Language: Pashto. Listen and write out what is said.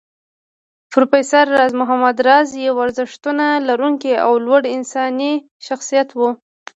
پروفېسر راز محمد راز يو ارزښتونه لرونکی او لوړ انساني شخصيت و